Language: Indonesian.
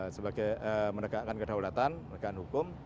sebagai menegakkan kedaulatan menegakkan hukum